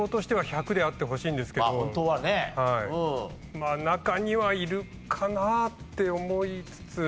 まあ中にはいるかな？って思いつつ。